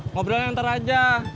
ngobrolnya ntar aja